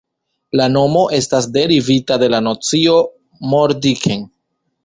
La nomo estas derivita de la nocio "moor-dicken".